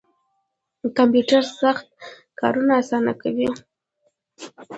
کمپیوټر سخت کارونه اسانه کوي